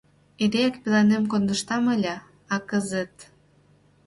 Эреак пеленем кондыштам ыле, а кызыт...